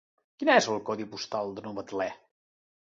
Quin és el codi postal de Novetlè?